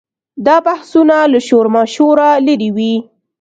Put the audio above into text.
دا بحثونه له شورماشوره لرې وي.